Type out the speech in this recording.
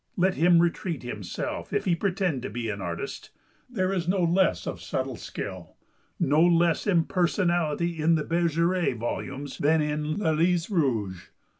Let him retreat himself, if he pretend to be an artist. There is no less of subtle skill, no less impersonality, in the "Bergeret" volumes than in "Le Lys Rouge."